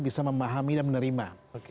bisa memahami dan menerima